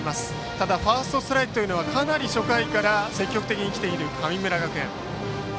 ただ、ファーストストライクはかなり初回から積極的に来ている神村学園。